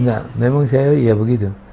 enggak memang saya ya begitu